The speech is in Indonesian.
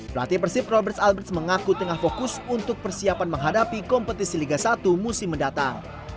pelatih persib robert alberts mengaku tengah fokus untuk persiapan menghadapi kompetisi liga satu musim mendatang